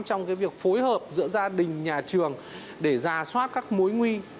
trong việc phối hợp giữa gia đình nhà trường để ra soát các mối nguy